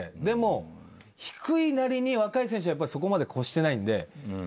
でも低いなりに若い選手はそこまで越してないんで。